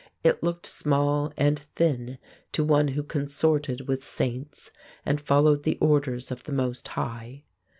It looked small and thin to one who consorted with saints and followed the orders of the Most High.